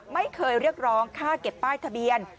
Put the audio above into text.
ไม่เคยเรียกร้องค่าเก็บป้ายทะเบียน